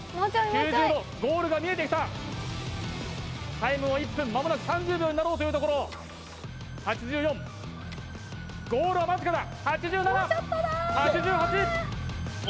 ℃ゴールが見えてきたタイムも１分まもなく３０秒になろうというところ８４ゴールは間近だ８７８８９０！